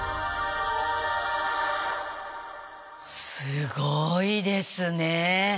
すごいですね。